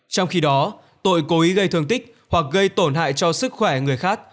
trong khi đó tội cố ý gây thương tích hoặc gây tổn hại cho sức khỏe người khác